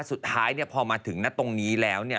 สุดท้ายเนี่ยพอมาถึงนะตรงนี้แล้วเนี่ย